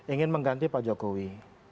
ingin mengganti pak jokowi